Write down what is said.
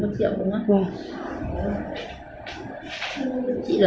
ờ thì cái lớp này